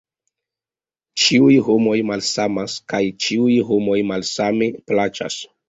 Ĉiuj homoj malsamas, kaj ĉiuj homoj malsame plaĉas.